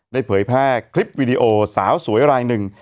เผยแพร่คลิปวิดีโอสาวสวยรายหนึ่ง